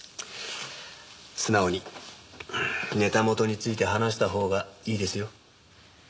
素直にネタ元について話したほうがいいですよ。